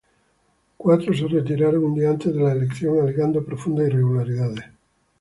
Cuatro se retiraron un día antes de la elección, alegando profundas irregularidades.